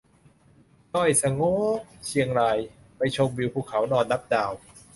ดอยสะโง้ เชียงราย ไปชมวิวภูเขา นอนนับดาว